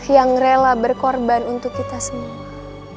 yang rela berkorban untuk kita semua